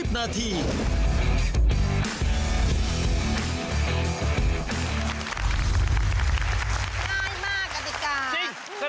ง่ายมากกติกา